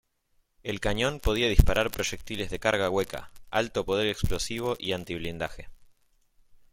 El cañón podía disparar proyectiles de carga hueca, alto poder explosivo y antiblindaje.